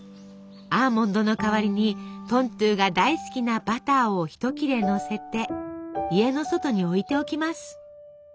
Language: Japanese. アーモンドの代わりにトントゥが大好きなバターをひと切れのせて家の外に置いておきます。